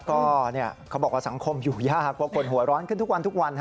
ก็เขาบอกว่าสังคมอยู่ยากเพราะคนหัวร้อนขึ้นทุกวันทุกวัน